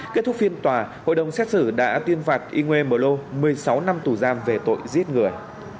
kết thúc phiên tòa hội đồng xét xử đã tuyên phạt yngwe mờ lô một mươi sáu năm tù giam về tội giết người